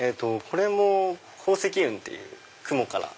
これも高積雲っていう雲から。